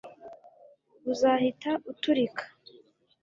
uzahita uturika